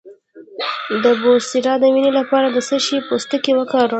د بواسیر د وینې لپاره د څه شي پوستکی وکاروم؟